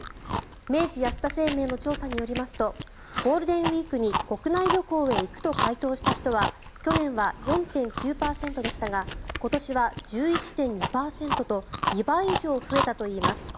明治安田生命の調査によりますとゴールデンウィークに国内旅行へ行くと回答した人は去年は４．９％でしたが今年は１１．２％と２倍以上増えたといいます。